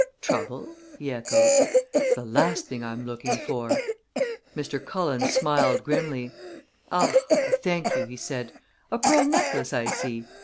"Trouble?" he echoed. "That's the last thing I'm looking for." Mr. Cullen smiled grimly. "Ah! I thank you," he said. "A pearl necklace, I see!